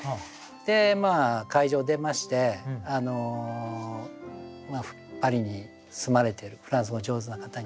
で会場出ましてパリに住まれてるフランス語上手な方にですね